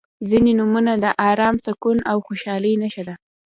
• ځینې نومونه د ارام، سکون او خوشحالۍ نښه ده.